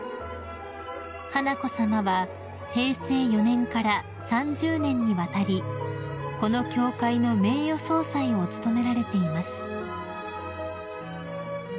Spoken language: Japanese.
［華子さまは平成４年から３０年にわたりこの協会の名誉総裁を務められています］